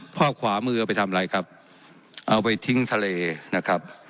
ข้อขวามือเอาไปทำอะไรครับเอาไปทิ้งทะเลนะครับ